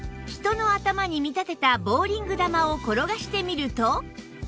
人の頭に見立てたボウリング球を転がしてみると